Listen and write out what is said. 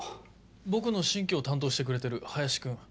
僕の新居を担当してくれてる林君。